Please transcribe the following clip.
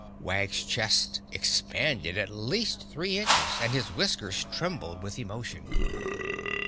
Wag's chest expanded at least three inches and his whiskers trembled with emotion.